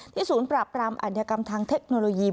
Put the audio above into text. ศูนย์ปราบรามอัธยกรรมทางเทคโนโลยี